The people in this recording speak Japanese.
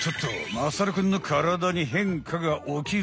まさるくんのカラダに変化が起きるぞい。